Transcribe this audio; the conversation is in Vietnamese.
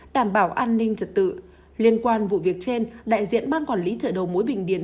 đảm bảo an ninh trật tự liên quan vụ việc trên đại diện ban quản lý chợ đầu mối bình điền